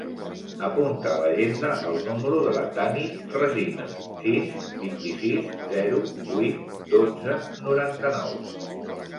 Apunta a l'agenda el número de la Tanit Resina: sis, vint-i-sis, zero, vuit, dotze, noranta-nou.